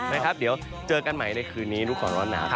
นะครับเดี๋ยวเจอกันใหม่ในคืนนี้ลูกของร้อนหนา